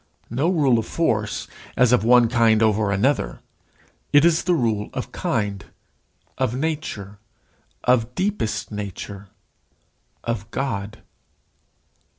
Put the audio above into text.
No rule of force, as of one kind over another kind. It is the rule of kind, of nature, of deepest nature of God.